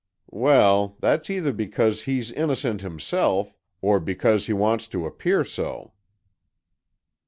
"Well, that's either because he's innocent himself, or because he wants to appear so."